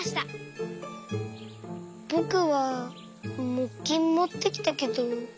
ぼくはもっきんもってきたけど。